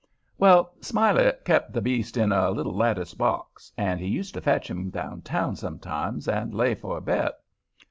Well, Smiley kep' the beast in a little lattice box, and he used to fetch him downtown sometimes and lay for a bet.